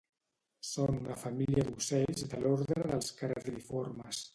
Són una família d'ocells de l'ordre dels caradriformes